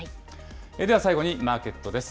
では、最後にマーケットです。